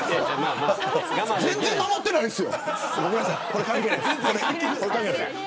全然守っていないんです。